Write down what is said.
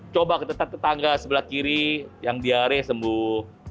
coba kita tetap tetangga sebelah kiri yang diare sembuh